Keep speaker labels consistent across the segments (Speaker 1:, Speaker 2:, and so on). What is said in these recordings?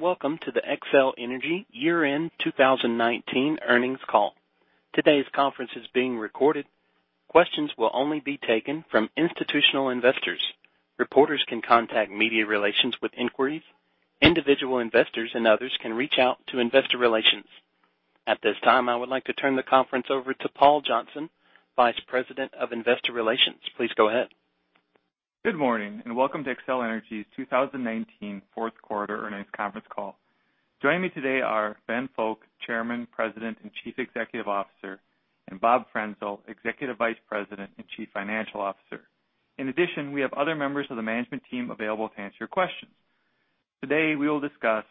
Speaker 1: Welcome to the Xcel Energy year-end 2019 earnings call. Today's conference is being recorded. Questions will only be taken from institutional investors. Reporters can contact media relations with inquiries. Individual investors and others can reach out to investor relations. At this time, I would like to turn the conference over to Paul Johnson, Vice President of Investor Relations. Please go ahead.
Speaker 2: Good morning, and welcome to Xcel Energy's 2019 fourth quarter earnings conference call. Joining me today are Ben Fowke, Chairman, President, and Chief Executive Officer, and Bob Frenzel, Executive Vice President and Chief Financial Officer. In addition, we have other members of the management team available to answer your questions. Today, we will discuss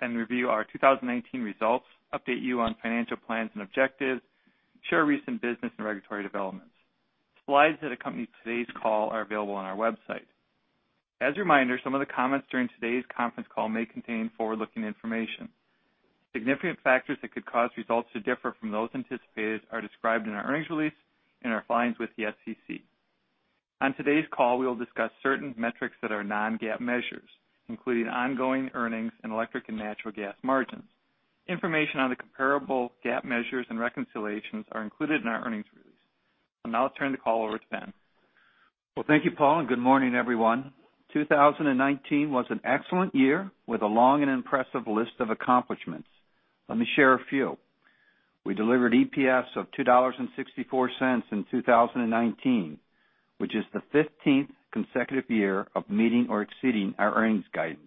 Speaker 2: and review our 2019 results, update you on financial plans and objectives, share recent business and regulatory developments. Slides that accompany today's call are available on our website. As a reminder, some of the comments during today's conference call may contain forward-looking information. Significant factors that could cause results to differ from those anticipated are described in our earnings release and our filings with the SEC. On today's call, we will discuss certain metrics that are non-GAAP measures, including ongoing earnings and electric and natural gas margins. Information on the comparable GAAP measures and reconciliations are included in our earnings release. I'll now turn the call over to Ben.
Speaker 3: Well, thank you, Paul, and good morning, everyone. 2019 was an excellent year with a long and impressive list of accomplishments. Let me share a few. We delivered EPS of $2.64 in 2019, which is the 15th consecutive year of meeting or exceeding our earnings guidance.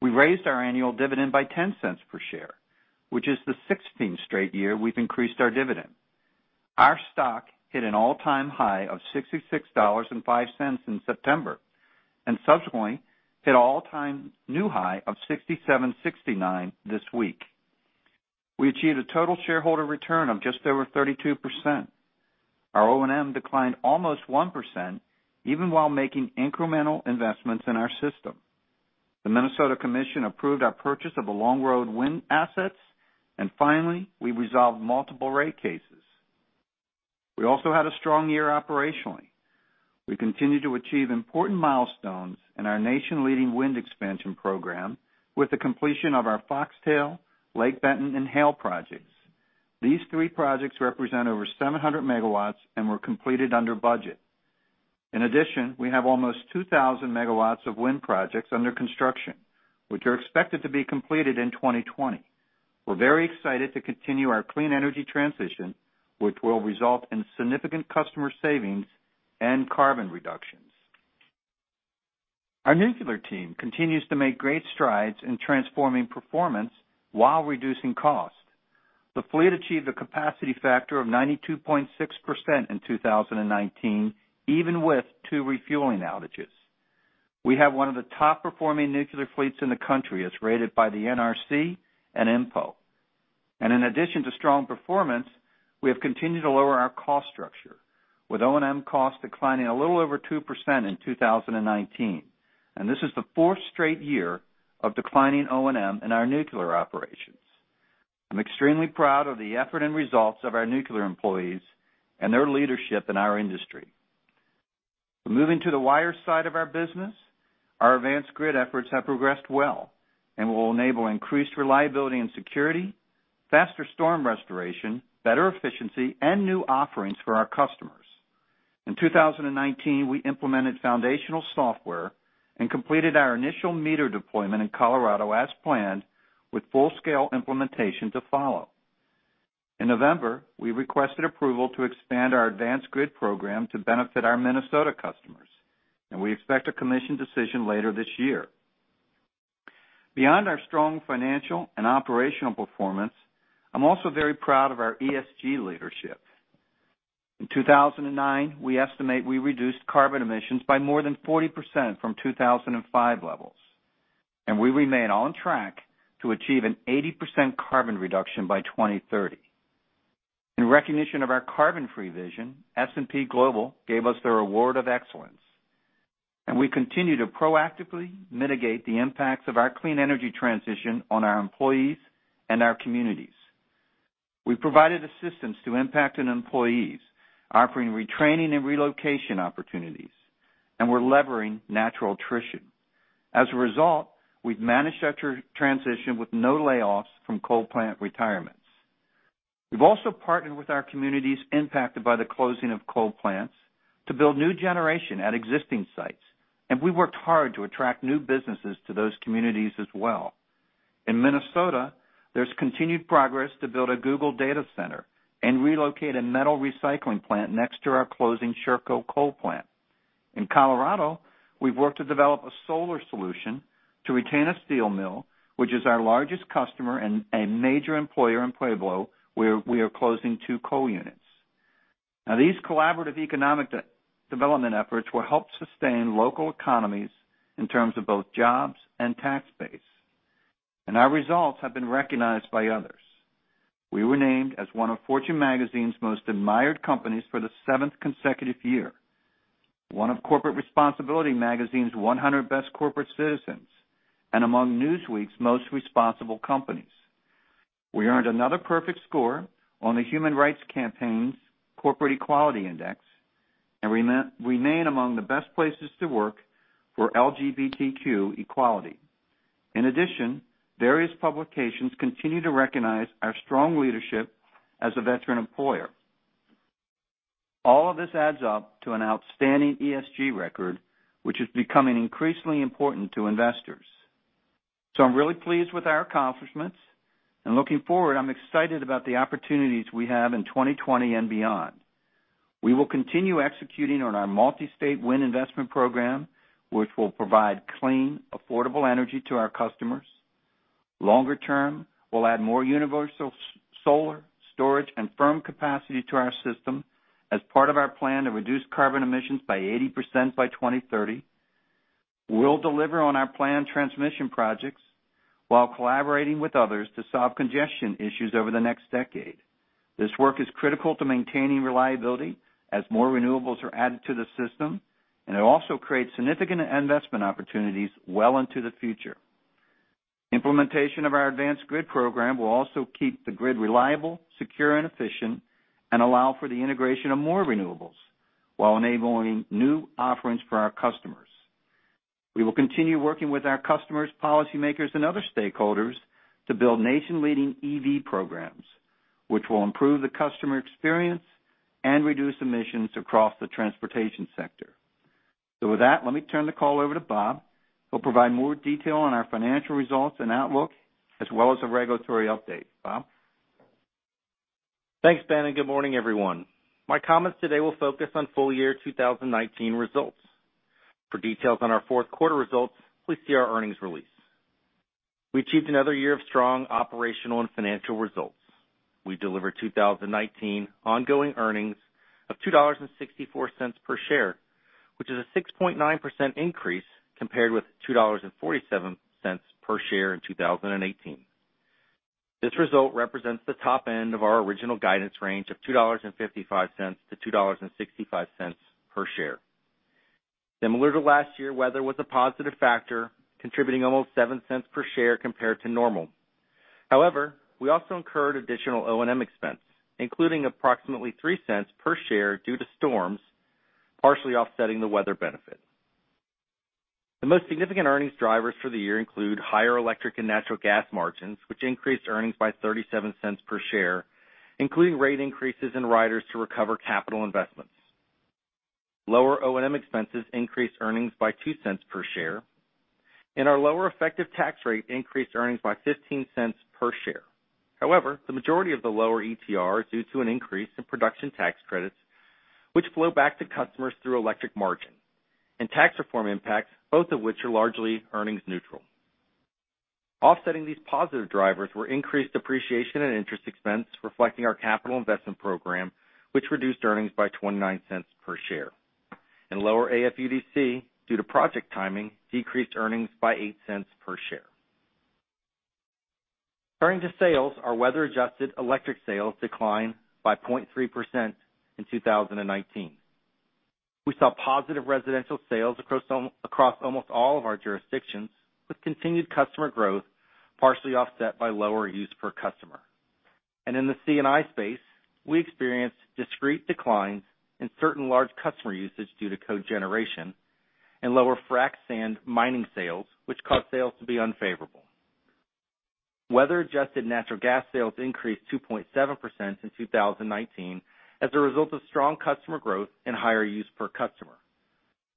Speaker 3: We raised our annual dividend by $0.10 per share, which is the 16th straight year we've increased our dividend. Our stock hit an all-time high of $66.05 in September, and subsequently hit all-time new high of $67.69 this week. We achieved a total shareholder return of just over 32%. Our O&M declined almost 1%, even while making incremental investments in our system. The Minnesota Commission approved our purchase of the Longroad wind assets, and finally, we resolved multiple rate cases. We also had a strong year operationally. We continued to achieve important milestones in our nation-leading wind expansion program with the completion of our Foxtail, Lake Benton, and Hale projects. These three projects represent over 700 MW and were completed under budget. In addition, we have almost 2,000 MW of wind projects under construction, which are expected to be completed in 2020. We're very excited to continue our clean energy transition, which will result in significant customer savings and carbon reductions. Our nuclear team continues to make great strides in transforming performance while reducing costs. The fleet achieved a capacity factor of 92.6% in 2019, even with two refueling outages. We have one of the top-performing nuclear fleets in the country as rated by the NRC and INPO. In addition to strong performance, we have continued to lower our cost structure, with O&M costs declining a little over 2% in 2019. This is the fourth straight year of declining O&M in our nuclear operations. I'm extremely proud of the effort and results of our nuclear employees and their leadership in our industry. Moving to the wire side of our business, our advanced grid efforts have progressed well and will enable increased reliability and security, faster storm restoration, better efficiency, and new offerings for our customers. In 2019, we implemented foundational software and completed our initial meter deployment in Colorado as planned, with full-scale implementation to follow. In November, we requested approval to expand our advanced grid program to benefit our Minnesota customers, and we expect a Commission decision later this year. Beyond our strong financial and operational performance, I'm also very proud of our ESG leadership. In 2009, we estimate we reduced carbon emissions by more than 40% from 2005 levels. We remain on track to achieve an 80% carbon reduction by 2030. In recognition of our carbon-free vision, S&P Global gave us their Award of Excellence. We continue to proactively mitigate the impacts of our clean energy transition on our employees and our communities. We've provided assistance to impacted employees, offering retraining and relocation opportunities. We're levering natural attrition. As a result, we've managed that transition with no layoffs from coal plant retirements. We've also partnered with our communities impacted by the closing of coal plants to build new generation at existing sites. We worked hard to attract new businesses to those communities as well. In Minnesota, there's continued progress to build a Google data center and relocate a metal recycling plant next to our closing Sherco coal plant. In Colorado, we've worked to develop a solar solution to retain a steel mill, which is our largest customer and a major employer in Pueblo, where we are closing two coal units. These collaborative economic development efforts will help sustain local economies in terms of both jobs and tax base. Our results have been recognized by others. We were named as one of Fortune Magazine's Most Admired Companies for the seventh consecutive year, one of Corporate Responsibility Magazine's 100 Best Corporate Citizens, and among Newsweek's Most Responsible Companies. We earned another perfect score on the Human Rights Campaign's Corporate Equality Index, and remain among the best places to work for LGBTQ equality. In addition, various publications continue to recognize our strong leadership as a veteran employer. All of this adds up to an outstanding ESG record, which is becoming increasingly important to investors. I'm really pleased with our accomplishments, and looking forward, I'm excited about the opportunities we have in 2020 and beyond. We will continue executing on our multi-state wind investment program, which will provide clean, affordable energy to our customers. Longer term, we'll add more universal solar, storage, and firm capacity to our system as part of our plan to reduce carbon emissions by 80% by 2030. We'll deliver on our planned transmission projects while collaborating with others to solve congestion issues over the next decade. This work is critical to maintaining reliability as more renewables are added to the system, and it also creates significant investment opportunities well into the future. Implementation of our advanced grid program will also keep the grid reliable, secure and efficient, and allow for the integration of more renewables while enabling new offerings for our customers. We will continue working with our customers, policymakers, and other stakeholders to build nation-leading EV programs, which will improve the customer experience and reduce emissions across the transportation sector. With that, let me turn the call over to Bob, who'll provide more detail on our financial results and outlook, as well as a regulatory update. Bob?
Speaker 4: Thanks, Ben, good morning, everyone. My comments today will focus on full year 2019 results. For details on our fourth quarter results, please see our earnings release. We achieved another year of strong operational and financial results. We delivered 2019 ongoing earnings of $2.64 per share, which is a 6.9% increase compared with $2.47 per share in 2018. This result represents the top end of our original guidance range of $2.55-$2.65 per share. Similar to last year, weather was a positive factor, contributing almost $0.07 per share compared to normal. We also incurred additional O&M expense, including approximately $0.03 per share due to storms, partially offsetting the weather benefit. The most significant earnings drivers for the year include higher electric and natural gas margins, which increased earnings by $0.37 per share, including rate increases in riders to recover capital investments. Lower O&M expenses increased earnings by $0.02 per share, and our lower effective tax rate increased earnings by $0.15 per share. However, the majority of the lower ETR is due to an increase in production tax credits, which flow back to customers through electric margin and tax reform impacts, both of which are largely earnings neutral. Offsetting these positive drivers were increased depreciation and interest expense reflecting our capital investment program, which reduced earnings by $0.29 per share. Lower AFUDC due to project timing decreased earnings by $0.08 per share. Turning to sales, our weather-adjusted electric sales declined by 0.3% in 2019. We saw positive residential sales across almost all of our jurisdictions, with continued customer growth partially offset by lower use per customer. In the C&I space, we experienced discrete declines in certain large customer usage due to cogeneration and lower frac sand mining sales, which caused sales to be unfavorable. Weather-adjusted natural gas sales increased 2.7% in 2019 as a result of strong customer growth and higher use per customer,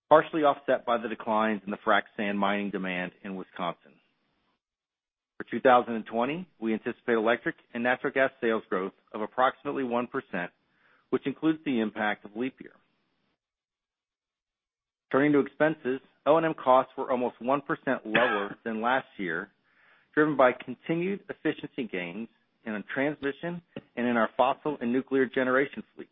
Speaker 4: partially offset by the declines in the frac sand mining demand in Wisconsin. For 2020, we anticipate electric and natural gas sales growth of approximately 1%, which includes the impact of leap year. Turning to expenses, O&M costs were almost 1% lower than last year, driven by continued efficiency gains in our transmission and in our fossil and nuclear generation fleets,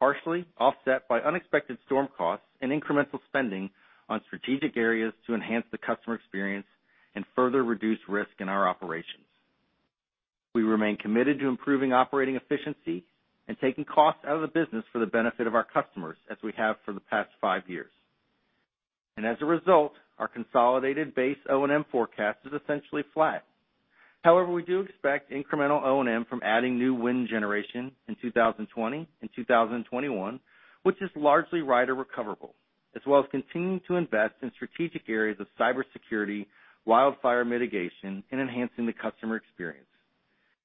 Speaker 4: partially offset by unexpected storm costs and incremental spending on strategic areas to enhance the customer experience and further reduce risk in our operations. We remain committed to improving operating efficiency and taking costs out of the business for the benefit of our customers, as we have for the past five years. As a result, our consolidated base O&M forecast is essentially flat. However, we do expect incremental O&M from adding new wind generation in 2020 and 2021, which is largely rider recoverable, as well as continuing to invest in strategic areas of cybersecurity, wildfire mitigation, and enhancing the customer experience.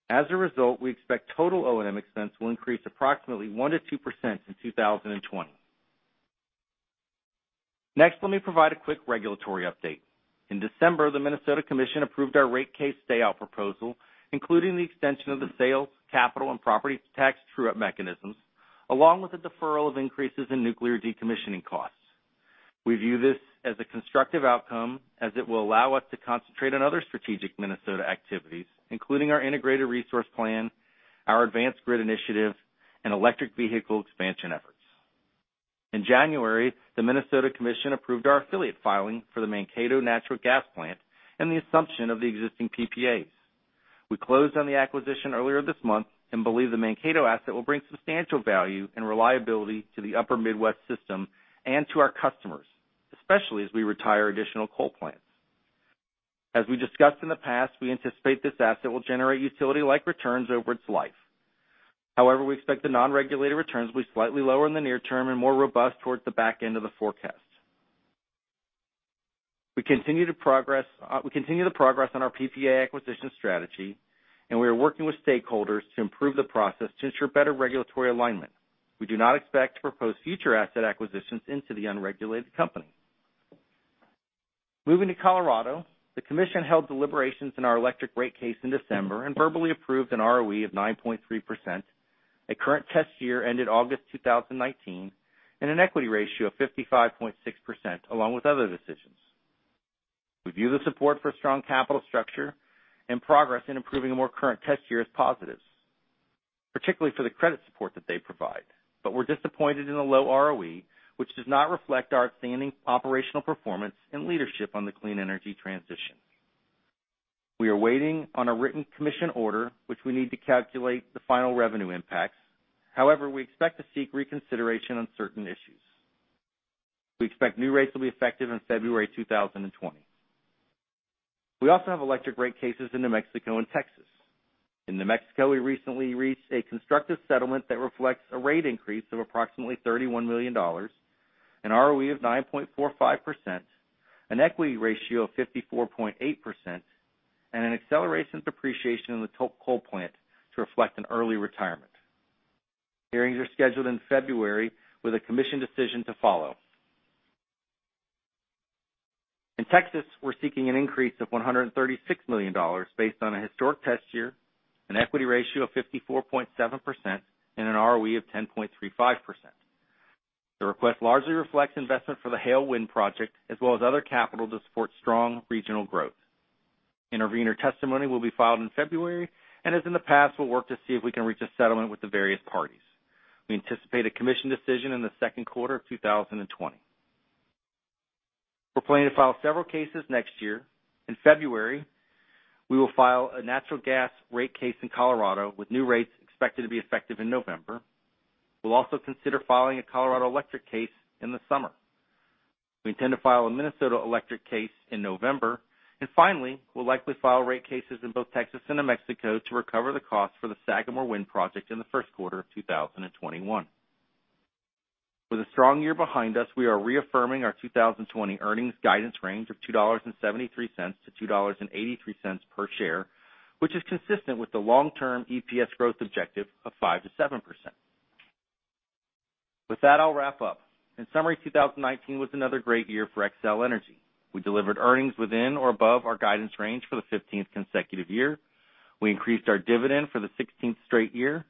Speaker 4: As a result, we expect total O&M expense will increase approximately 1%-2% in 2020. Next, let me provide a quick regulatory update. In December, the Minnesota Commission approved our rate case stay out proposal, including the extension of the sales, capital and property tax true-up mechanisms, along with the deferral of increases in nuclear decommissioning costs. We view this as a constructive outcome, as it will allow us to concentrate on other strategic Minnesota activities, including our integrated resource plan, our advanced grid initiative, and electric vehicle expansion efforts. In January, the Minnesota Commission approved our affiliate filing for the Mankato natural gas plant and the assumption of the existing PPAs. We closed on the acquisition earlier this month and believe the Mankato asset will bring substantial value and reliability to the upper Midwest system and to our customers, especially as we retire additional coal plants. As we discussed in the past, we anticipate this asset will generate utility-like returns over its life. However, we expect the non-regulated returns will be slightly lower in the near term and more robust towards the back end of the forecast. We continue to progress on our PPA acquisition strategy, and we are working with stakeholders to improve the process to ensure better regulatory alignment. We do not expect to propose future asset acquisitions into the unregulated company. Moving to Colorado, the Commission held deliberations in our electric rate case in December and verbally approved an ROE of 9.3%, a current test year ended August 2019, and an equity ratio of 55.6%, along with other decisions. We view the support for strong capital structure and progress in improving a more current test year as positives, particularly for the credit support that they provide. We're disappointed in the low ROE, which does not reflect our outstanding operational performance and leadership on the clean energy transition. We are waiting on a written Commission order, which we need to calculate the final revenue impacts. However, we expect to seek reconsideration on certain issues. We expect new rates will be effective in February 2020. We also have electric rate cases in New Mexico and Texas. In New Mexico, we recently reached a constructive settlement that reflects a rate increase of approximately $31 million, an ROE of 9.45%, an equity ratio of 54.8%, and an acceleration of depreciation in the coal plant to reflect an early retirement. Hearings are scheduled in February with a Commission decision to follow. In Texas, we're seeking an increase of $136 million based on a historic test year, an equity ratio of 54.7%, and an ROE of 10.35%. The request largely reflects investment for the Hale Wind project, as well as other capital to support strong regional growth. Intervenor testimony will be filed in February, and as in the past, we'll work to see if we can reach a settlement with the various parties. We anticipate a Commission decision in the second quarter of 2020. We're planning to file several cases next year. In February, we will file a natural gas rate case in Colorado with new rates expected to be effective in November. We'll also consider filing a Colorado electric case in the summer. We intend to file a Minnesota electric case in November. Finally, we'll likely file rate cases in both Texas and New Mexico to recover the cost for the Sagamore wind project in the first quarter of 2021. With a strong year behind us, we are reaffirming our 2020 earnings guidance range of $2.73-$2.83 per share, which is consistent with the long-term EPS growth objective of 5%-7%. With that, I'll wrap up. In summary, 2019 was another great year for Xcel Energy. We delivered earnings within or above our guidance range for the 15th consecutive year. We increased our dividend for the 16th straight year.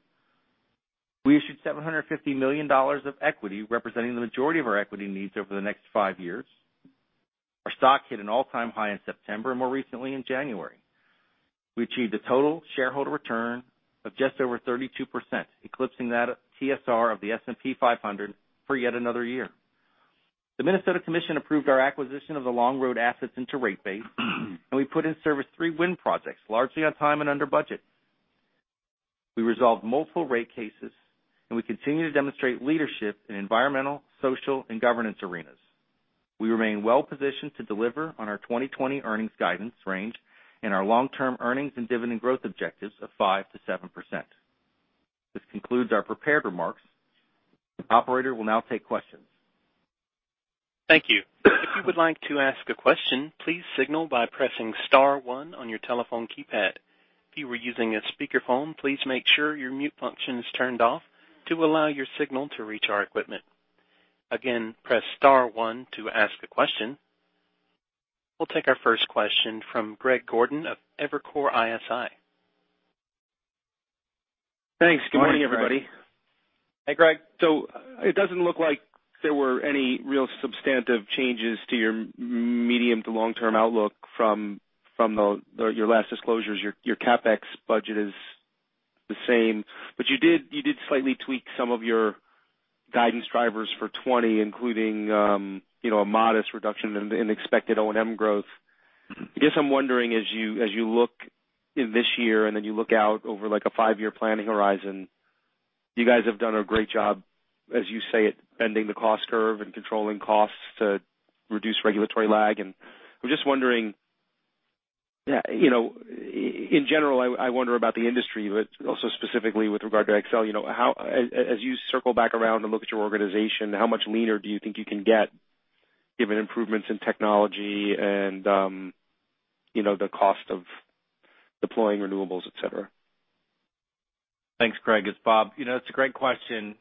Speaker 4: We issued $750 million of equity, representing the majority of our equity needs over the next five years. Our stock hit an all-time high in September and more recently in January. We achieved a total shareholder return of just over 32%, eclipsing that TSR of the S&P 500 for yet another year. The Minnesota Commission approved our acquisition of the Longroad assets into rate base, and we put in service three wind projects, largely on time and under budget. We resolved multiple rate cases, and we continue to demonstrate leadership in environmental, social, and governance arenas. We remain well-positioned to deliver on our 2020 earnings guidance range and our long-term earnings and dividend growth objectives of 5%-7%. This concludes our prepared remarks. Operator, we'll now take questions.
Speaker 1: Thank you. If you would like to ask a question, please signal by pressing star one on your telephone keypad. If you are using a speakerphone, please make sure your mute function is turned off to allow your signal to reach our equipment. Again, press star one to ask a question. We'll take our first question from Greg Gordon of Evercore ISI.
Speaker 5: Thanks. Good morning, everybody.
Speaker 3: Hey, Greg.
Speaker 5: It doesn't look like there were any real substantive changes to your medium to long-term outlook from your last disclosures. Your CapEx budget is the same. You did slightly tweak some of your guidance drivers for 2020, including a modest reduction in expected O&M growth. I guess I'm wondering, as you look in this year and then you look out over a five-year planning horizon, you guys have done a great job, as you say it, bending the cost curve and controlling costs to reduce regulatory lag. In general, I wonder about the industry, but also specifically with regard to Xcel Energy. As you circle back around and look at your organization, how much leaner do you think you can get given improvements in technology and the cost of deploying renewables, et cetera?
Speaker 4: Thanks, Greg. It's Bob. It's a great question.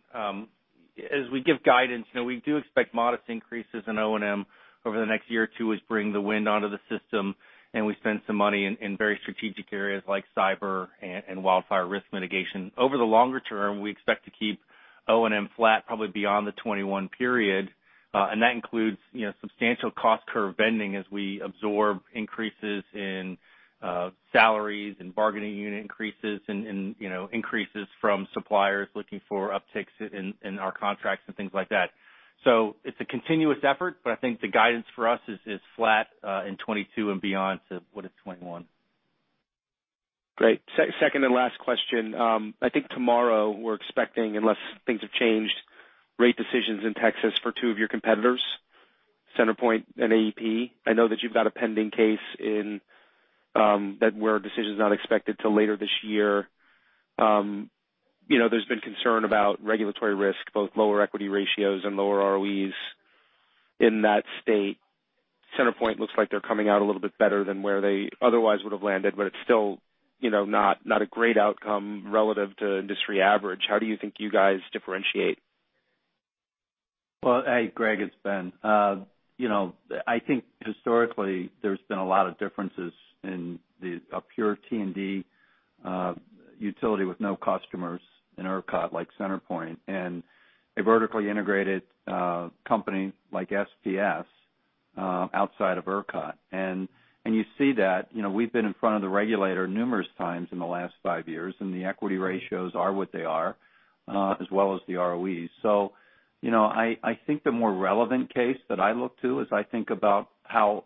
Speaker 4: As we give guidance, we do expect modest increases in O&M over the next year or two as bring the wind out of the system and we spend some money in very strategic areas like cyber and wildfire risk mitigation. Over the longer term, we expect to keep O&M flat probably beyond the 2021 period. That includes substantial cost curve bending as we absorb increases in salaries and bargaining unit increases and increases from suppliers looking for upticks in our contracts and things like that. It's a continuous effort, but I think the guidance for us is flat in 2022 and beyond to what is 2021.
Speaker 5: Great. Second and last question. I think tomorrow we're expecting, unless things have changed, rate decisions in Texas for two of your competitors, CenterPoint and AEP. I know that you've got a pending case where a decision's not expected till later this year. There's been concern about regulatory risk, both lower equity ratios and lower ROEs in that state. CenterPoint looks like they're coming out a little bit better than where they otherwise would've landed, it's still not a great outcome relative to industry average. How do you think you guys differentiate?
Speaker 3: Well, hey, Greg, it's Ben. I think historically, there's been a lot of differences in the pure T&D utility with no customers in ERCOT, like CenterPoint, and a vertically integrated company like SPS outside of ERCOT. You see that. We've been in front of the regulator numerous times in the last five years, and the equity ratios are what they are, as well as the ROEs. I think the more relevant case that I look to as I think about how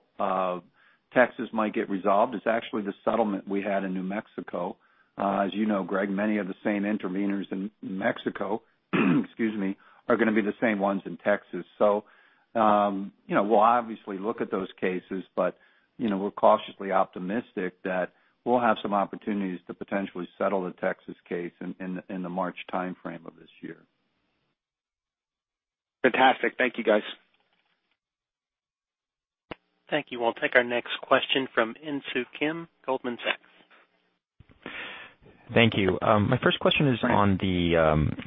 Speaker 3: Texas might get resolved is actually the settlement we had in New Mexico. As you know, Greg, many of the same interveners in New Mexico are going to be the same ones in Texas. We'll obviously look at those cases, but we're cautiously optimistic that we'll have some opportunities to potentially settle the Texas case in the March timeframe of this year.
Speaker 5: Fantastic. Thank you, guys.
Speaker 1: Thank you. We'll take our next question from Insoo Kim, Goldman Sachs.
Speaker 6: Thank you. My first question is on the,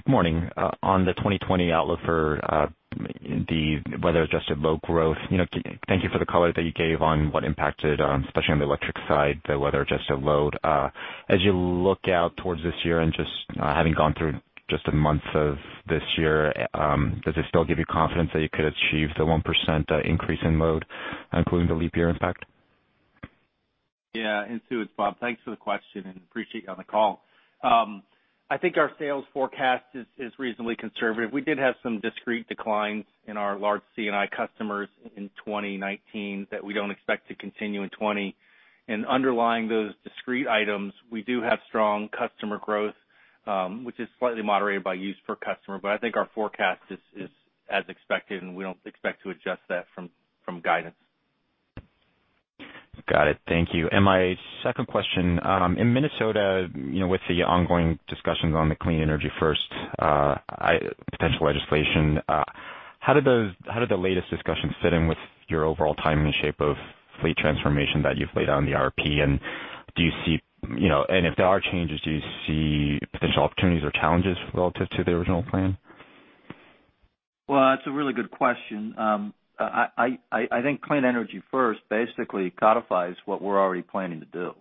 Speaker 6: morning, on the 2020 outlook for the weather-adjusted load growth. Thank you for the color that you gave on what impacted, especially on the electric side, the weather-adjusted load. As you look out towards this year and just having gone through just a month of this year, does it still give you confidence that you could achieve the 1% increase in load, including the leap year impact?
Speaker 4: Insoo, it's Bob. Thanks for the question, and appreciate you on the call. I think our sales forecast is reasonably conservative. We did have some discrete declines in our large C&I customers in 2019 that we don't expect to continue in 2020. Underlying those discrete items, we do have strong customer growth, which is slightly moderated by use per customer. I think our forecast is as expected, and we don't expect to adjust that from guidance.
Speaker 6: Got it. Thank you. My second question. In Minnesota, with the ongoing discussions on the Clean Energy First potential legislation, how did the latest discussions fit in with your overall timing and shape of fleet transformation that you've laid out in the IRP? If there are changes, do you see potential opportunities or challenges relative to the original plan?
Speaker 3: Well, that's a really good question. I think Clean Energy First basically codifies what we're already planning to do.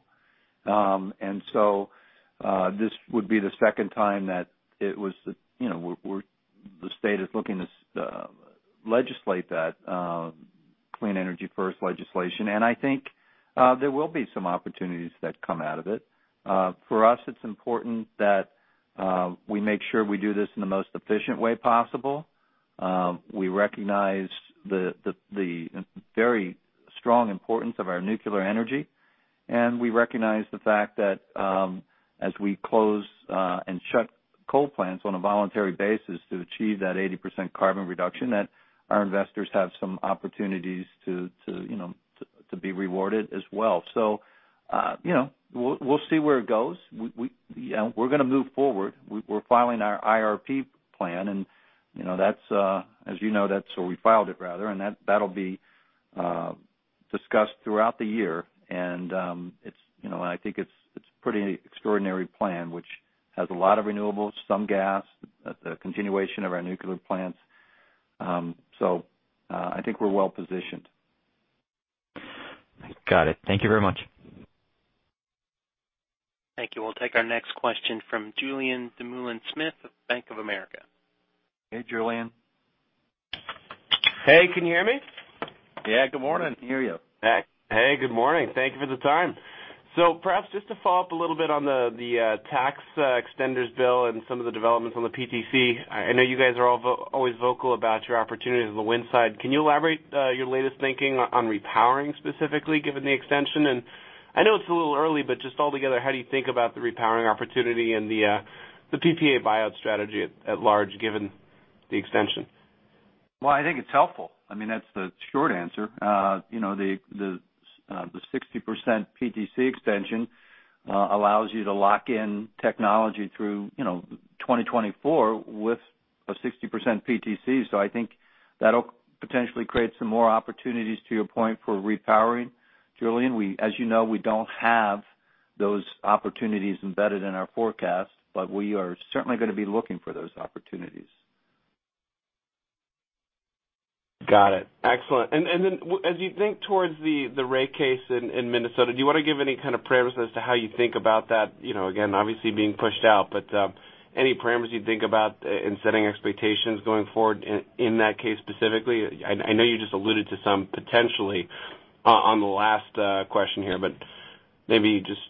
Speaker 3: This would be the second time that the state is looking to legislate that Clean Energy First legislation. I think there will be some opportunities that come out of it. For us, it's important that we make sure we do this in the most efficient way possible. We recognize the very strong importance of our nuclear energy, and we recognize the fact that as we close and shut coal plants on a voluntary basis to achieve that 80% carbon reduction, that our investors have some opportunities to be rewarded as well. We'll see where it goes. We're going to move forward. We're filing our IRP plan and as you know, that's where we filed it, rather, and that'll be discussed throughout the year. I think it's a pretty extraordinary plan, which has a lot of renewables, some gas, a continuation of our nuclear plants. I think we're well-positioned.
Speaker 6: Got it. Thank you very much.
Speaker 1: Thank you. We'll take our next question from Julien Dumoulin-Smith of Bank of America.
Speaker 3: Hey, Julien.
Speaker 7: Hey, can you hear me?
Speaker 3: Yeah. Good morning. Can hear you.
Speaker 7: Hey, good morning. Thank you for the time. Perhaps just to follow up a little bit on the tax extenders bill and some of the developments on the PTC. I know you guys are always vocal about your opportunities on the wind side. Can you elaborate your latest thinking on repowering specifically, given the extension? I know it's a little early, but just altogether, how do you think about the repowering opportunity and the PPA buyout strategy at large given the extension?
Speaker 3: I think it's helpful. That's the short answer. The 60% PTC extension allows you to lock in technology through 2024 with a 60% PTC. I think that'll potentially create some more opportunities, to your point, for repowering, Julien. As you know, we don't have those opportunities embedded in our forecast, but we are certainly going to be looking for those opportunities.
Speaker 7: Got it. Excellent. As you think towards the rate case in Minnesota, do you want to give any kind of parameters as to how you think about that? Again, obviously being pushed out, any parameters you think about in setting expectations going forward in that case specifically? I know you just alluded to some potentially on the last question here, maybe just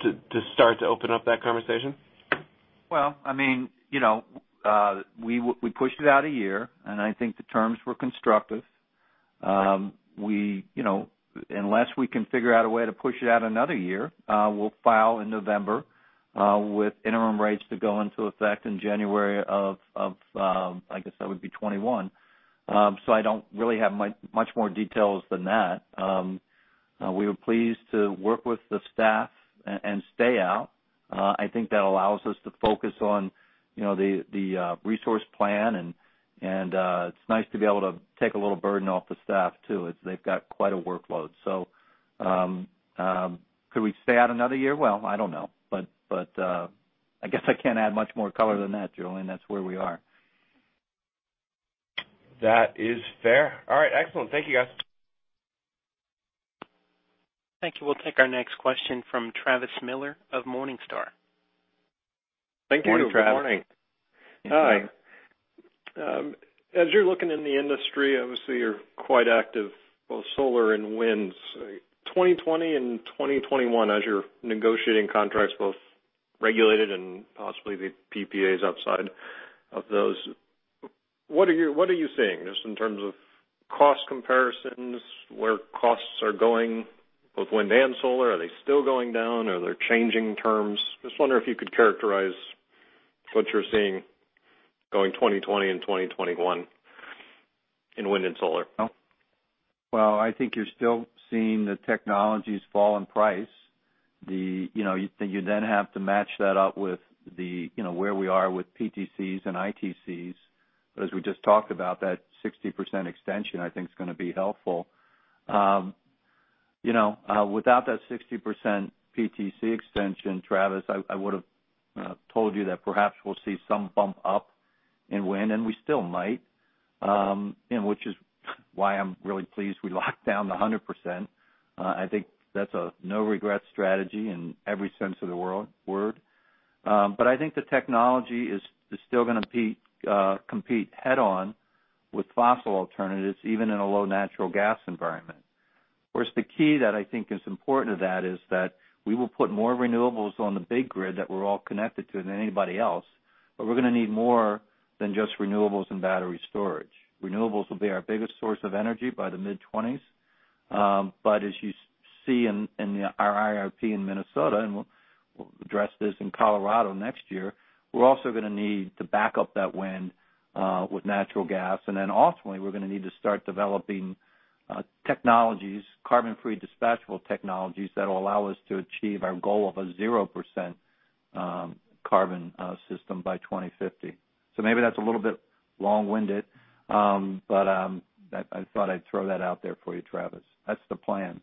Speaker 7: to start to open up that conversation.
Speaker 3: Well, we pushed it out a year, and I think the terms were constructive. Unless we can figure out a way to push it out another year, we'll file in November with interim rates to go into effect in January of, I guess that would be 2021. I don't really have much more details than that. We were pleased to work with the staff and stay out. I think that allows us to focus on the resource plan, and it's nice to be able to take a little burden off the staff, too. They've got quite a workload. Could we stay out another year? Well, I don't know. I guess I can't add much more color than that, Julien. That's where we are.
Speaker 7: That is fair. All right, excellent. Thank you, guys.
Speaker 1: Thank you. We'll take our next question from Travis Miller of Morningstar.
Speaker 8: Thank you. Morning.
Speaker 3: Morning, Travis.
Speaker 8: Hi. As you're looking in the industry, obviously you're quite active, both solar and wind. 2020 and 2021, as you're negotiating contracts, both regulated and possibly the PPAs outside of those, what are you seeing, just in terms of cost comparisons, where costs are going, both wind and solar? Are they still going down? Are there changing terms? Just wonder if you could characterize what you're seeing going 2020 and 2021 in wind and solar.
Speaker 3: I think you're still seeing the technologies fall in price. You then have to match that up with where we are with PTCs and ITCs. As we just talked about, that 60% extension I think is going to be helpful. Without that 60% PTC extension, Travis, I would've told you that perhaps we'll see some bump up in wind, and we still might, which is why I'm really pleased we locked down the 100%. I think that's a no-regret strategy in every sense of the word. I think the technology is still going to compete head-on with fossil alternatives, even in a low natural gas environment. Of course, the key that I think is important to that is that we will put more renewables on the big grid that we're all connected to than anybody else, but we're going to need more than just renewables and battery storage. Renewables will be our biggest source of energy by the mid-2020s. As you see in our IRP in Minnesota, and we'll address this in Colorado next year, we're also going to need to back up that wind with natural gas. Ultimately, we're going to need to start developing carbon-free dispatchable technologies that will allow us to achieve our goal of a 0% carbon system by 2050. Maybe that's a little bit long-winded, but I thought I'd throw that out there for you, Travis. That's the plan.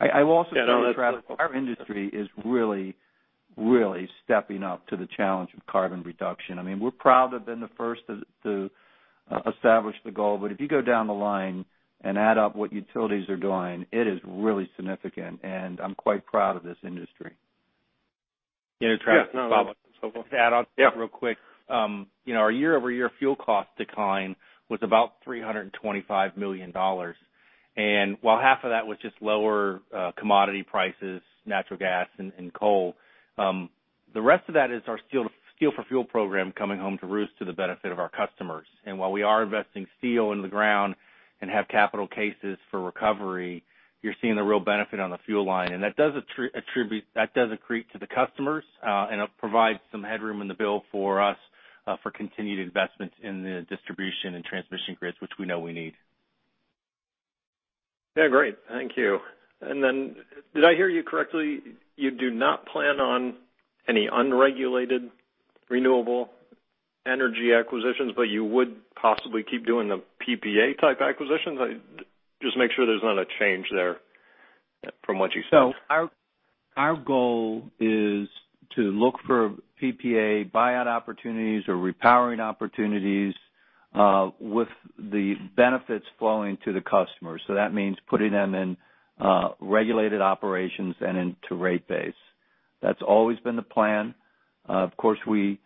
Speaker 3: I will also say, Travis-
Speaker 8: That's-...
Speaker 3: our industry is really stepping up to the challenge of carbon reduction. We're proud to have been the first to establish the goal, but if you go down the line and add up what utilities are doing, it is really significant, and I'm quite proud of this industry.
Speaker 4: Travis, if I could add on to that real quick. Our year-over-year fuel cost decline was about $325 million. While half of that was just lower commodity prices, natural gas, and coal, the rest of that is our Steel for Fuel program coming home to roost to the benefit of our customers. While we are investing steel into the ground and have capital cases for recovery, you're seeing the real benefit on the fuel line, and that does accrete to the customers, and it provides some headroom in the bill for us for continued investments in the distribution and transmission grids, which we know we need.
Speaker 8: Great. Thank you. Did I hear you correctly? You do not plan on any unregulated renewable energy acquisitions, but you would possibly keep doing the PPA-type acquisitions? Just make sure there's not a change there from what you said.
Speaker 3: Our goal is to look for PPA buyout opportunities or repowering opportunities with the benefits flowing to the customer. That means putting them in regulated operations and into rate base. That's always been the plan. Of course, we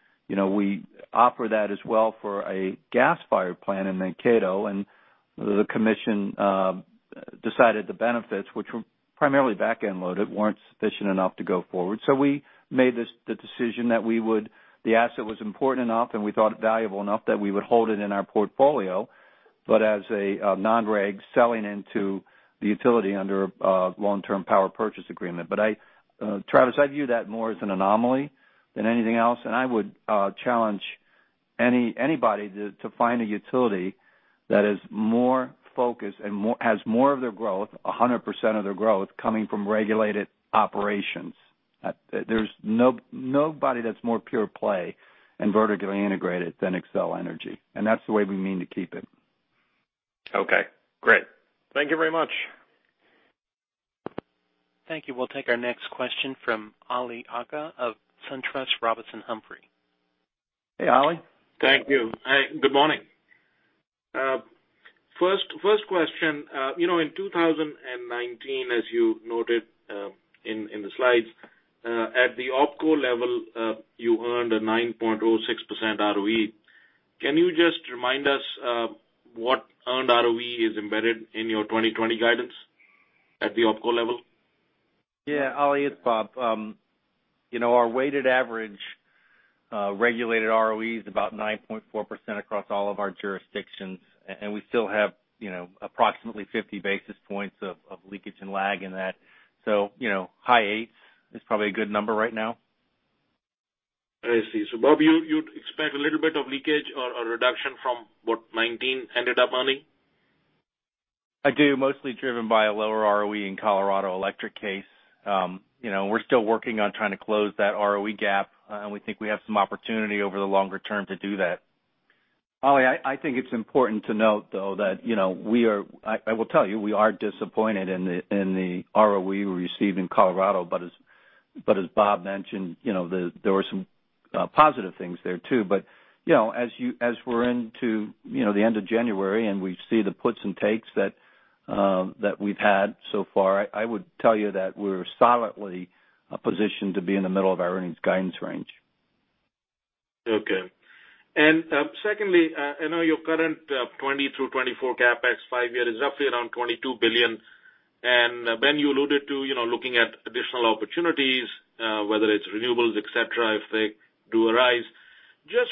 Speaker 3: offer that as well for a gas-fired plant in Mankato, and the Commission decided the benefits, which were primarily back-end loaded, weren't sufficient enough to go forward. We made the decision that the asset was important enough, and we thought it valuable enough that we would hold it in our portfolio, but as a non-reg selling into the utility under a long-term power purchase agreement. Travis, I view that more as an anomaly than anything else, and I would challenge anybody to find a utility that is more focused and has more of their growth, 100% of their growth, coming from regulated operations. There's nobody that's more pure play and vertically integrated than Xcel Energy, and that's the way we mean to keep it.
Speaker 8: Great. Thank you very much.
Speaker 1: Thank you. We'll take our next question from Ali Agha of SunTrust Robinson Humphrey.
Speaker 3: Hey, Ali.
Speaker 9: Thank you. Good morning. First question. In 2019, as you noted in the slides, at the opco level, you earned a 9.06% ROE. Can you just remind us what earned ROE is embedded in your 2020 guidance, at the opco level?
Speaker 4: Ali, it's Bob. Our weighted average, regulated ROE is about 9.4% across all of our jurisdictions, and we still have approximately 50 basis points of leakage and lag in that. High 8% range is probably a good number right now.
Speaker 9: I see. Bob, you'd expect a little bit of leakage or a reduction from what 2019 ended up on?
Speaker 4: I do, mostly driven by a lower ROE in Colorado electric case. We're still working on trying to close that ROE gap, and we think we have some opportunity over the longer term to do that.
Speaker 3: Ali, I think it's important to note, though, I will tell you, we are disappointed in the ROE we received in Colorado. As Bob mentioned, there were some positive things there, too. As we're into the end of January and we see the puts and takes that we've had so far, I would tell you that we're solidly positioned to be in the middle of our earnings guidance range.
Speaker 9: Okay. Secondly, I know your current 2020 through 2024 CapEx five-year is roughly around $22 billion. Ben, you alluded to looking at additional opportunities, whether it's renewables, et cetera, if they do arise. Just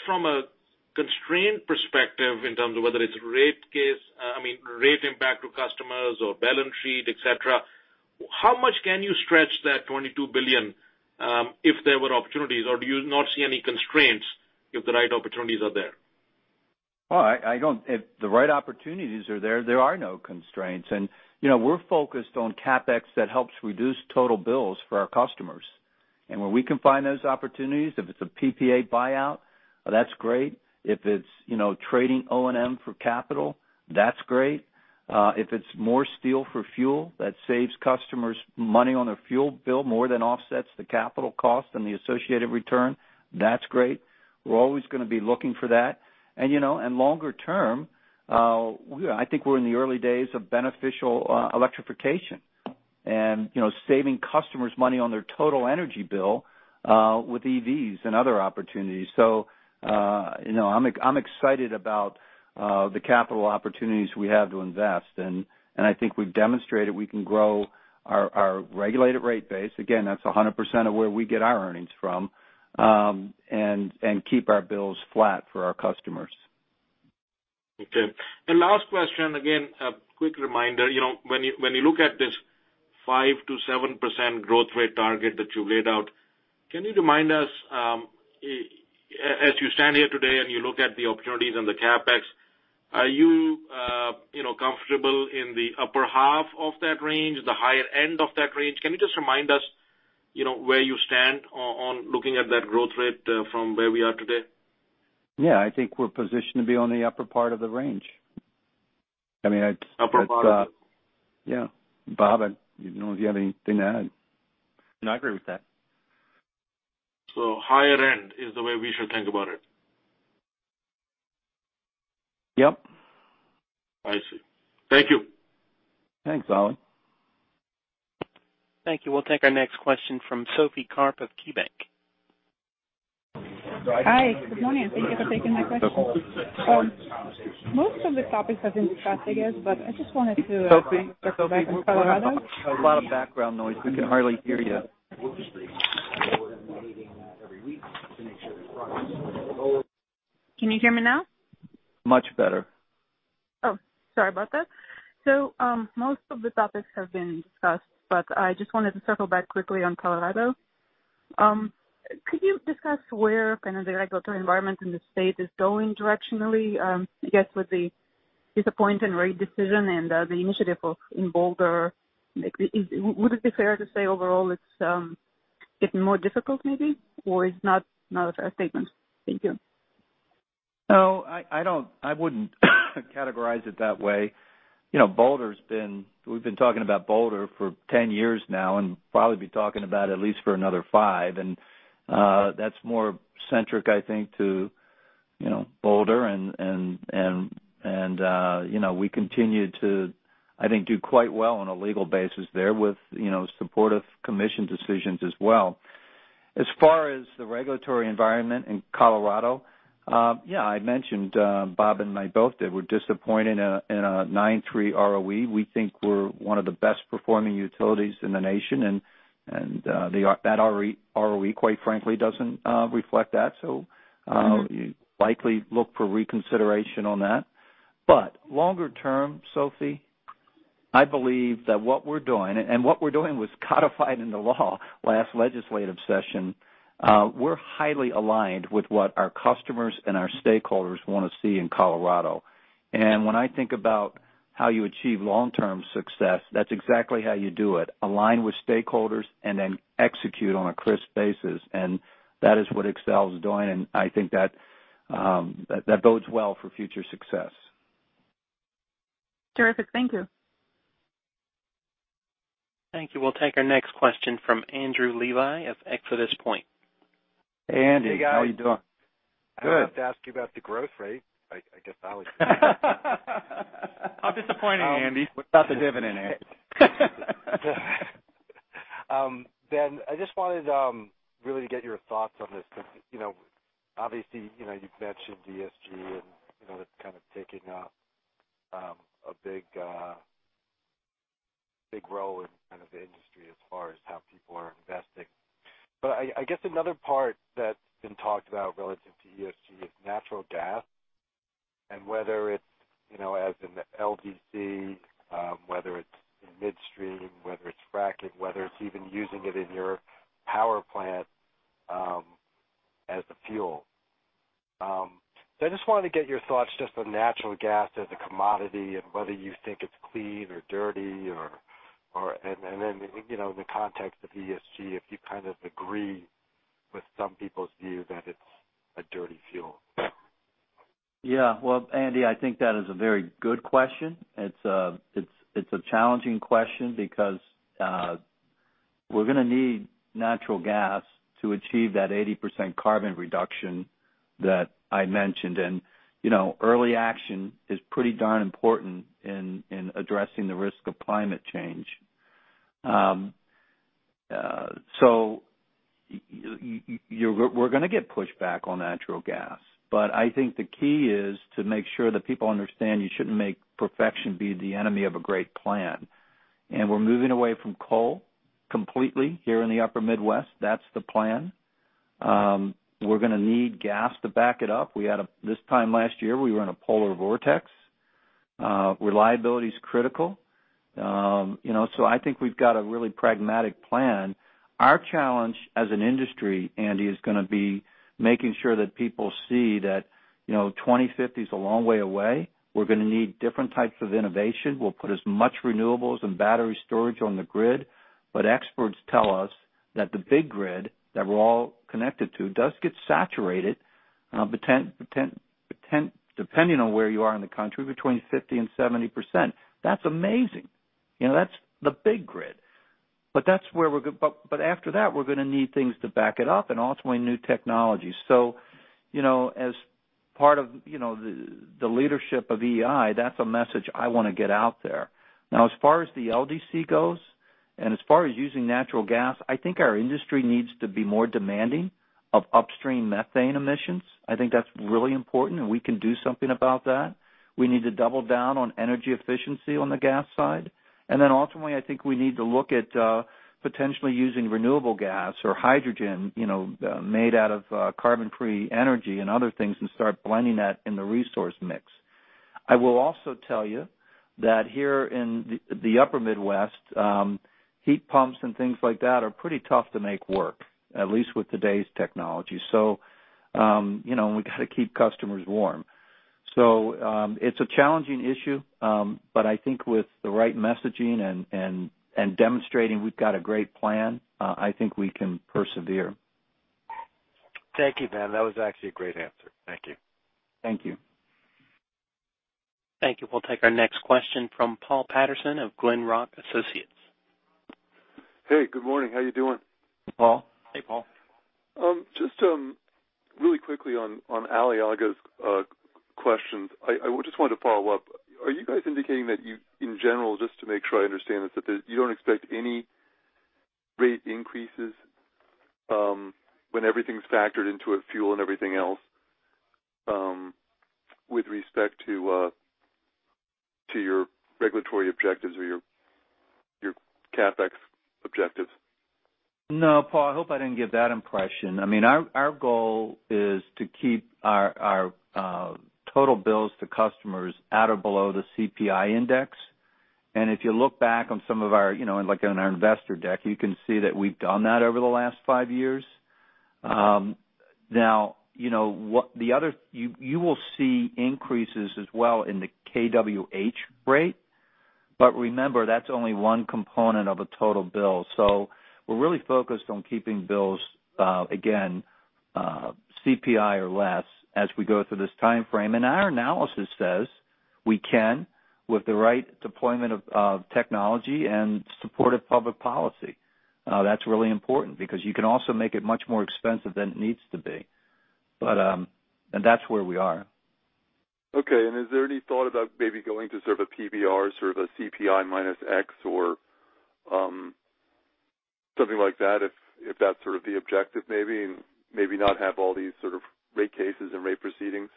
Speaker 9: from a constraint perspective in terms of whether it's rate impact to customers or balance sheet, et cetera, how much can you stretch that $22 billion, if there were opportunities? Do you not see any constraints if the right opportunities are there?
Speaker 3: If the right opportunities are there are no constraints. We're focused on CapEx that helps reduce total bills for our customers. Where we can find those opportunities, if it's a PPA buyout, that's great. If it's trading O&M for capital, that's great. If it's more steel-for-fuel, that saves customers money on their fuel bill more than offsets the capital cost and the associated return, that's great. We're always going to be looking for that. Longer term, I think we're in the early days of beneficial electrification and saving customers money on their total energy bill, with EVs and other opportunities. I'm excited about the capital opportunities we have to invest, and I think we've demonstrated we can grow our regulated rate base, again, that's 100% of where we get our earnings from, and keep our bills flat for our customers.
Speaker 9: Last question, again, a quick reminder. When you look at this 5%-7% growth rate target that you laid out, can you remind us, as you stand here today and you look at the opportunities and the CapEx, are you comfortable in the upper half of that range, the higher end of that range? Can you just remind us where you stand on looking at that growth rate from where we are today?
Speaker 3: I think we're positioned to be on the upper part of the range.
Speaker 9: Upper part of it.
Speaker 3: Bob, I don't know if you have anything to add.
Speaker 4: No, I agree with that.
Speaker 9: Higher end is the way we should think about it.
Speaker 3: Yep.
Speaker 9: I see. Thank you.
Speaker 3: Thanks, Ali.
Speaker 1: Thank you. We'll take our next question from Sophie Karp of KeyBanc.
Speaker 10: Hi. Good morning. Thank you for taking my question. [inaudible]
Speaker 3: Sophie? Sophie, we're having a lot of background noise. We can hardly hear you.
Speaker 10: Can you hear me now?
Speaker 3: Much better.
Speaker 10: Oh, sorry about that. Most of the topics have been discussed, but I just wanted to circle back quickly on Colorado. Could you discuss where kind of the regulatory environment in the state is going directionally? I guess with the disappointing rate decision and the initiative in Boulder, would it be fair to say overall it's getting more difficult maybe, or it's not a fair statement? Thank you.
Speaker 3: No, I wouldn't categorize it that way. We've been talking about Boulder for 10 years now and probably be talking about at least for another five. That's more centric, I think, to Boulder, and we continue to do quite well on a legal basis there with supportive Commission decisions as well. As far as the regulatory environment in Colorado, I mentioned, Bob and I both did, we're disappointed in a 9.3% ROE. We think we're one of the best-performing utilities in the nation, and that ROE, quite frankly, doesn't reflect that. Likely look for reconsideration on that. Longer term, Sophie, I believe that what we're doing, and what we're doing was codified into law last legislative session. We're highly aligned with what our customers and our stakeholders want to see in Colorado. When I think about how you achieve long-term success, that's exactly how you do it: align with stakeholders and then execute on a crisp basis. That is what Xcel Energy is doing, and I think that bodes well for future success.
Speaker 10: Terrific. Thank you.
Speaker 1: Thank you. We'll take our next question from Andrew Levi of ExodusPoint.
Speaker 3: Hey, Andy.
Speaker 11: Hey, guys.
Speaker 3: How are you doing?
Speaker 11: Good. I was about to ask you about the growth rate. I guess Ali's taken that.
Speaker 3: How disappointing, Andy.
Speaker 4: What about the dividend, Andy?
Speaker 11: Ben, I just wanted to really get your thoughts on this because, obviously, you've mentioned ESG and that's kind of taking up a big role in the industry as far as how people are investing. I guess another part that's been talked about relative to ESG is natural gas, and whether it's as an LDC, whether it's in midstream, whether it's fracking, whether it's even using it in your power plant as a fuel. I just wanted to get your thoughts just on natural gas as a commodity and whether you think it's clean or dirty. In the context of ESG, if you kind of agree with some people's view that it's a dirty fuel.
Speaker 3: Well, Andy, I think that is a very good question. It's a challenging question because we're going to need natural gas to achieve that 80% carbon reduction that I mentioned. Early action is pretty darn important in addressing the risk of climate change. We're going to get pushback on natural gas. I think the key is to make sure that people understand you shouldn't make perfection be the enemy of a great plan. We're moving away from coal completely here in the upper Midwest. That's the plan. We're going to need gas to back it up. This time last year, we were in a polar vortex. Reliability is critical. I think we've got a really pragmatic plan. Our challenge as an industry, Andy, is going to be making sure that people see that 2050 is a long way away. We're going to need different types of innovation. We'll put as much renewables and battery storage on the grid. Experts tell us that the big grid that we're all connected to does get saturated, depending on where you are in the country, between 50% and 70%. That's amazing. That's the big grid. After that, we're going to need things to back it up and ultimately new technologies. As part of the leadership of EEI, that's a message I want to get out there. As far as the LDC goes, and as far as using natural gas, I think our industry needs to be more demanding of upstream methane emissions. I think that's really important, and we can do something about that. We need to double down on energy efficiency on the gas side. Ultimately, I think we need to look at potentially using renewable gas or hydrogen made out of carbon-free energy and other things, and start blending that in the resource mix. I will also tell you that here in the upper Midwest, heat pumps and things like that are pretty tough to make work, at least with today's technology. We got to keep customers warm. It's a challenging issue, but I think with the right messaging and demonstrating we've got a great plan, I think we can persevere.
Speaker 11: Thank you, Ben. That was actually a great answer. Thank you.
Speaker 3: Thank you.
Speaker 1: Thank you. We'll take our next question from Paul Patterson of Glenrock Associates.
Speaker 12: Hey, good morning. How you doing?
Speaker 3: Hey, Paul.
Speaker 4: Hey, Paul.
Speaker 12: Just really quickly on Ali Agha's questions, I just wanted to follow up. Are you guys indicating that you, in general, just to make sure I understand this, that you don't expect any rate increases when everything's factored into a fuel and everything else with respect to your regulatory objectives or your CapEx objectives?
Speaker 3: No, Paul, I hope I didn't give that impression. Our goal is to keep our total bills to customers at or below the CPI index. If you look back on some of our investor deck, you can see that we've done that over the last five years. Now, you will see increases as well in the kWh rate, but remember, that's only one component of a total bill. We're really focused on keeping bills, again CPI or less as we go through this timeframe. Our analysis says we can, with the right deployment of technology and supportive public policy. That's really important because you can also make it much more expensive than it needs to be. That's where we are.
Speaker 12: Okay. Is there any thought about maybe going to sort of a PBR, sort of a CPI minus X or something like that, if that's sort of the objective, maybe? Maybe not have all these sort of rate cases and rate proceedings.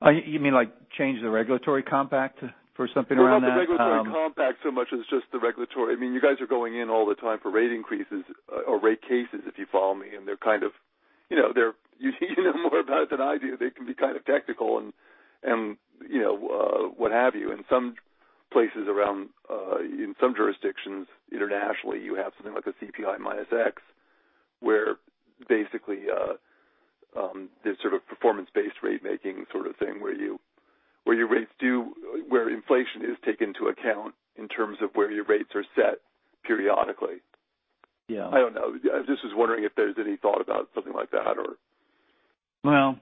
Speaker 3: You mean, like change the regulatory compact for something around that?
Speaker 12: Well, not the regulatory compact so much as just the regulatory. You guys are going in all the time for rate increases or rate cases, if you follow me, and you know more about it than I do. They can be kind of technical and what have you. In some jurisdictions internationally, you have something like a CPI minus X, where basically, there's sort of performance-based rate-making sort of thing where inflation is taken into account in terms of where your rates are set periodically. I don't know. I just was wondering if there's any thought about something like that or-
Speaker 3: Well,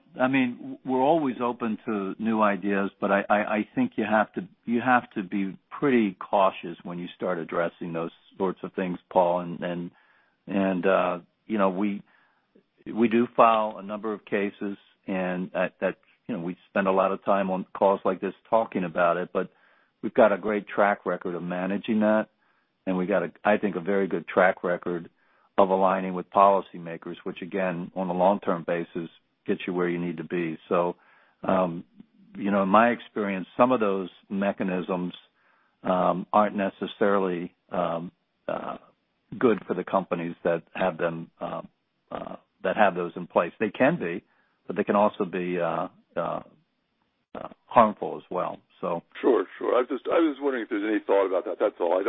Speaker 3: we're always open to new ideas, but I think you have to be pretty cautious when you start addressing those sorts of things, Paul, and we do file a number of cases, and we spend a lot of time on calls like this talking about it, but we've got a great track record of managing that. We've got, I think, a very good track record of aligning with policymakers, which again, on a long-term basis, gets you where you need to be. In my experience, some of those mechanisms aren't necessarily good for the companies that have those in place. They can be, but they can also be harmful as well.
Speaker 12: Sure. I was just wondering if there's any thought about that. That's all.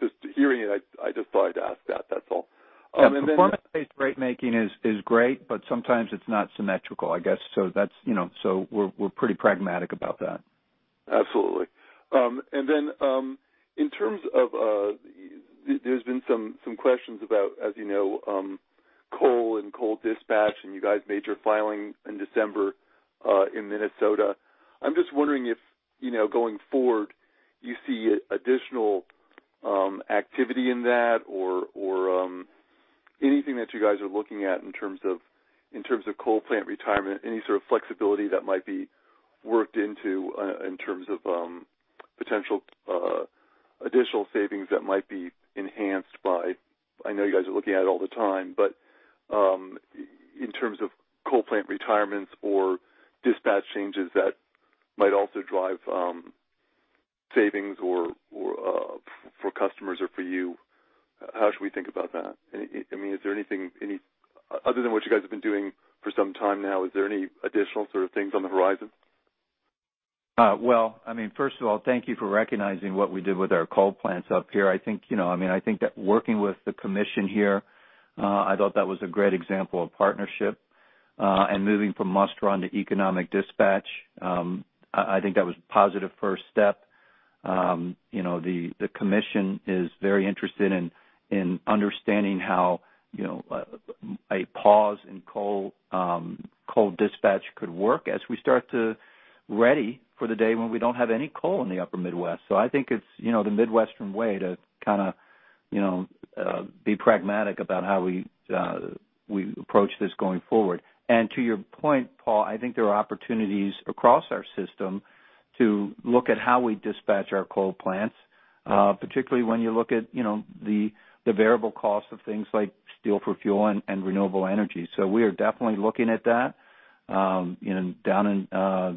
Speaker 12: Just hearing it, I just thought I'd ask that. That's all.
Speaker 3: Performance-based rate making is great, but sometimes it's not symmetrical, I guess. We're pretty pragmatic about that.
Speaker 12: Absolutely. There's been some questions about, as you know, coal and coal dispatch, and you guys made your filing in December, in Minnesota. I'm just wondering if, going forward, you see additional activity in that or anything that you guys are looking at in terms of coal plant retirement. Any sort of flexibility that might be worked into in terms of potential additional savings that might be enhanced—I know you guys are looking at it all the time—in terms of coal plant retirements or dispatch changes that might also drive savings for customers or for you. How should we think about that? Other than what you guys have been doing for some time now, is there any additional things on the horizon?
Speaker 3: Well, first of all, thank you for recognizing what we did with our coal plants up here. I think that working with the Commission here, I thought that was a great example of partnership, and moving from must-run to economic dispatch, I think that was a positive first step. The Commission is very interested in understanding how a pause in coal dispatch could work as we start to ready for the day when we don't have any coal in the upper Midwest. I think it's the Midwestern way to be pragmatic about how we approach this going forward. To your point, Paul, I think there are opportunities across our system to look at how we dispatch our coal plants, particularly when you look at the variable cost of things like steel-for-fuel and renewable energy. We are definitely looking at that. Down in the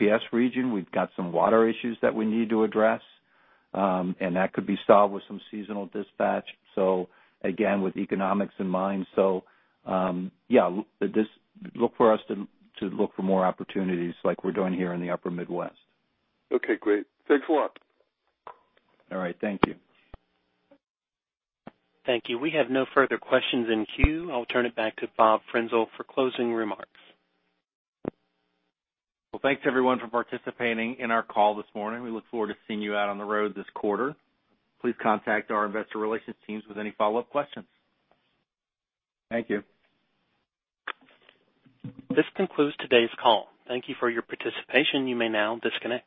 Speaker 3: SPS region, we've got some water issues that we need to address, and that could be solved with some seasonal dispatch. Again, with economics in mind. Look for us to look for more opportunities like we're doing here in the upper Midwest.
Speaker 12: Great. Thanks a lot.
Speaker 3: All right. Thank you.
Speaker 1: Thank you. We have no further questions in queue. I'll turn it back to Bob Frenzel for closing remarks.
Speaker 4: Well, thanks everyone for participating in our call this morning. We look forward to seeing you out on the road this quarter. Please contact our investor relations teams with any follow-up questions.
Speaker 3: Thank you.
Speaker 1: This concludes today's call. Thank you for your participation. You may now disconnect.